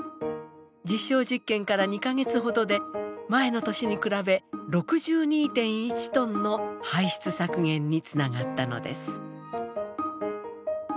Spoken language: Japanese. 実証実験から２か月ほどで前の年に比べ６２．１トンの排出削減につながったのです。